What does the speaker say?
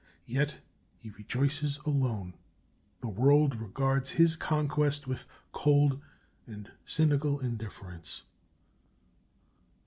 Yet he rejoices alone the world regards his conquest with cold and cynical indifference.